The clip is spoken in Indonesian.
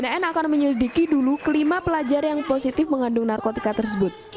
bnn akan menyelidiki dulu kelima pelajar yang positif mengandung narkotika tersebut